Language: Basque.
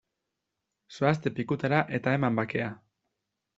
Zoazte pikutara eta eman bakea!